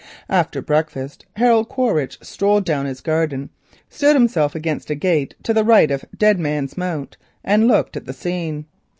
After breakfast Harold Quaritch strolled down his garden, stood himself against a gate to the right of Dead Man's Mount, and looked at the scene.